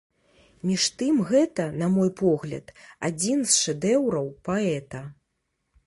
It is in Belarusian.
Між тым, гэта, на мой погляд, адзін з шэдэўраў паэта.